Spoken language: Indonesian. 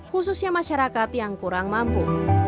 khususnya masyarakat yang kurang mampu